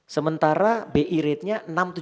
sementara bi rate nya enam tujuh puluh lima